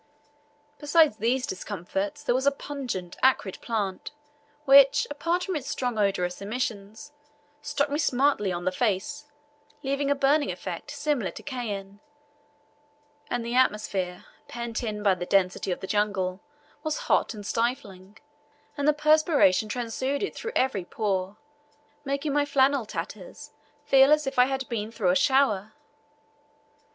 Besides these discomforts, there was a pungent, acrid plant which, apart from its strong odorous emissions, struck me smartly on the face, leaving a burning effect similar to cayenne; and the atmosphere, pent in by the density of the jungle, was hot and stifling, and the perspiration transuded through every pore, making my flannel tatters feel as if I had been through a shower.